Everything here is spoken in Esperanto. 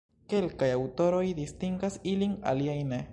Kelkaj aŭtoroj distingas ilin, aliaj ne.